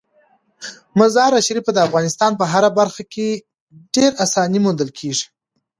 مزارشریف د افغانستان په هره برخه کې په اسانۍ موندل کېږي.